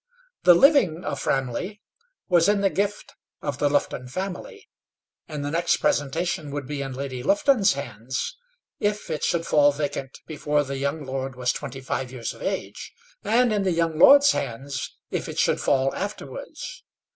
The living of Framley was in the gift of the Lufton family, and the next presentation would be in Lady Lufton's hands, if it should fall vacant before the young lord was twenty five years of age, and in the young lord's hands if it should fall afterwards.